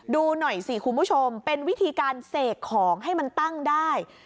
ดูหน่อยสิคุณผู้ชมเป็นวิธีการเสกของให้มันตั้งได้